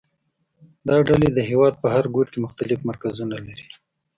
دا ډلې د هېواد په هر ګوټ کې مختلف مرکزونه لري